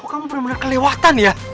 kok kamu bener bener kelewatan ya